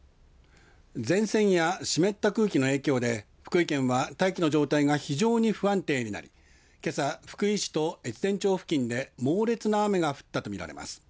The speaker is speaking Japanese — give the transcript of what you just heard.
前線や湿った空気の影響で福井県は大気の状態が非常に不安定になりけさ、福井市と越前町付近で猛烈な雨が降ったと見られます。